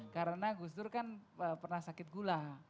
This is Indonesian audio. karena gus dur kan pernah sakit gula